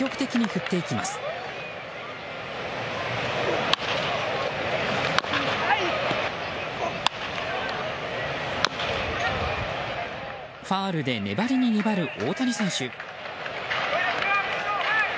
ファウルで粘りに粘る大谷選手。